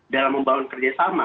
dalam membangun kerjasama